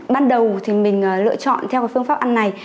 ban đầu mình lựa chọn theo phương pháp ăn này